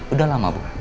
udah lama bu